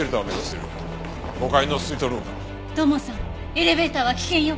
エレベーターは危険よ。